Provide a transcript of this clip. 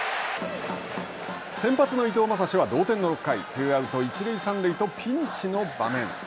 先発の伊藤将司は同点の６回ツーアウト、一塁三塁とピンチの場面。